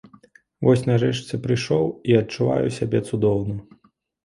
Вось, нарэшце, прыйшоў, і адчуваю сябе цудоўна!